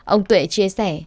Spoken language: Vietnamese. ông tuệ chia sẻ